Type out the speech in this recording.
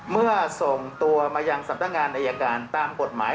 เมื่อส่งตัวมายังสำนักงานอายการตามกฎหมาย